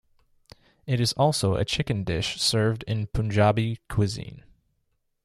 It is also a chicken dish served in Punjabi cuisine.